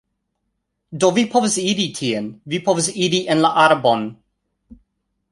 Do vi povas iri tien, vi povas iri en la arbon